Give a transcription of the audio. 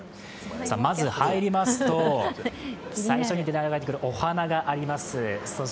まず入りますと、最初にお花があります。